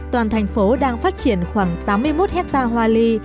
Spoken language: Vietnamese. toàn thành phố đang phát triển khoảng tám mươi một hectare hoa ly